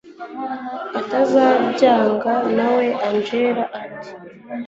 atazabyanga nawe angella ati